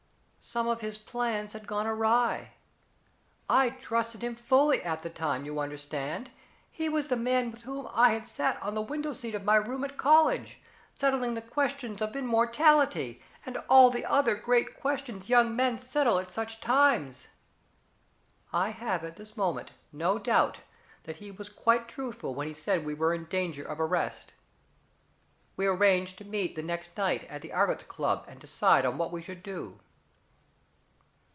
Some of his plans had gone awry. I trusted him fully at the time, you understand he was the man with whom I had sat on the window seat of my room at college, settling the question of immortality, and all the other great questions young men settle at such times. I have at this moment no doubt that he was quite truthful when he said we were in danger of arrest. We arranged to meet the next night at the Argots Club and decide on what we should do.